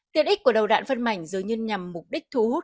tiện ích của đầu đạn phân mảnh dưới như nhằm mục đích thu hút